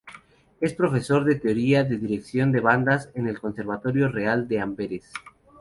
Es profesor de teoría de dirección de bandas, en el Conservatorio Real de Amberes.